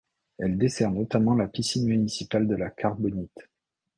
Elle dessert notamment la piscine municipale de la Carbonite.